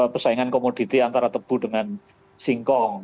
persaingan komoditi antara tebu dengan singkong